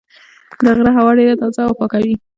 د غره هوا ډېره تازه او پاکه وي.